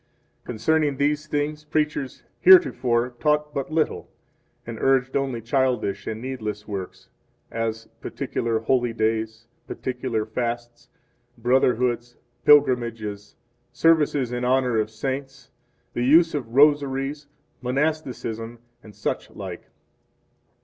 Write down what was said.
3 Concerning these things preachers heretofore taught but little, and urged only childish and needless works, as particular holy days, particular fasts, brotherhoods, pilgrimages, services in honor of saints, the use of rosaries, monasticism, and such like.